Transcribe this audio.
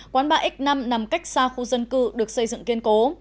quán ba x năm nằm cách xa khu dân cư được xây dựng kiên cố